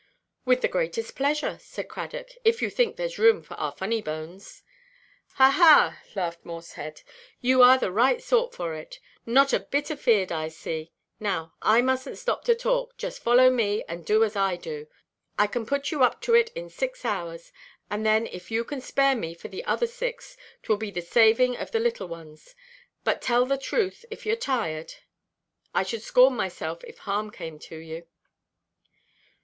"With the greatest pleasure," said Cradock, "if you think thereʼs room for our funny–bones." "Ha, ha!" laughed Morshead, "you are the right sort for it. Not a bit afeard, I see. Now I mustnʼt stop to talk; just follow me, and do as I do. I can put you up to it in six hours; and then if you can spare me for the other six, 'twill be the saving of the little ones. But tell the truth if youʼre tired. I should scorn myself if harm came to you."